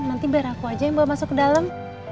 nanti biar aku aja yang bawa masuk ke dalam